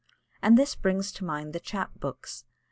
And this brings to mind the chap books.